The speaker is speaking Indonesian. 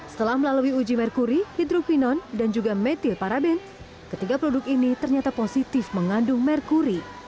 setelah melalui uji merkuri hidropinon dan juga metioparaben ketiga produk ini ternyata positif mengandung merkuri